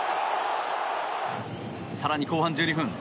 更に後半１２分。